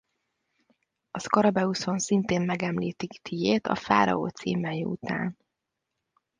A szkarabeuszon szintén megemlítik Tijét a fáraó címei után.